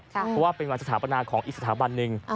เพราะว่าเป็นวันสถาปนาของอีกสถาบันหนึ่ง